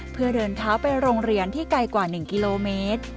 เพื่อเดินเท้าไปโรงเรียนที่ไกลกว่า๑กิโลเมตร